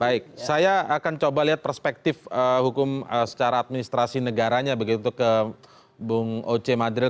baik saya akan coba lihat perspektif hukum secara administrasi negaranya begitu ke bung oce madril